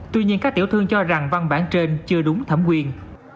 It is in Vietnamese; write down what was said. tuy nhiên các tiểu thương cho rằng văn bản trên chưa đúng thẩm quyền